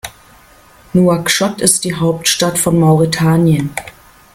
Nouakchott ist die Hauptstadt von Mauretanien.